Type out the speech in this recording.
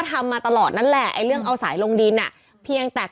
รับถึงกันดี